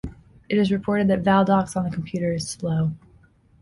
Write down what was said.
It reported that Valdocs on the computer "is "slow".